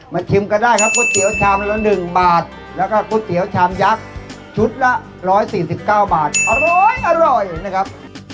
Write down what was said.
มาชิมก็ได้ครับก๋วยเตี๋ยวชามละหนึ่งบาทแล้วก็ก๋วยเตี๋ยวชามยักษ์ชุดละร้อยสี่สิบเก้าบาทอร้อยอร่อยนะครับ